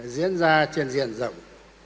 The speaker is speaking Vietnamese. diễn ra trên diện rộng